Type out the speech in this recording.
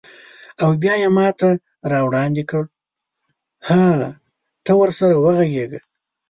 او بیا یې ماته راوړاندې کړ: هه، ته ورسره وغږیږه.